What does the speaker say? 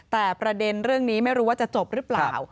แต่ประเด็นเรื่องนี้ไม่รู้ว่าจะจบหรือเปล่า